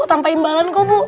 tanpa imbalan kok bu